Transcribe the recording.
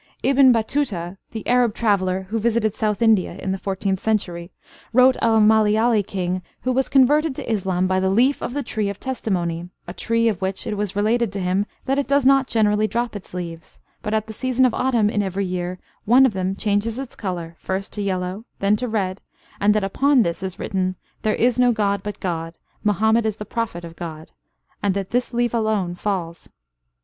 Ibn Batuta (the Arab traveller who visited South India in the fourteenth century) wrote of a Malayali king who was converted to Islam by the leaf of 'the tree of testimony,' a tree of which it was related to him that it does not generally drop its leaves, but at the season of autumn in every year one of them changes its colour, first to yellow, then to red, and that upon this is written 'There is no God but God: Muhammad is the Prophet of God,' and that this leaf alone falls.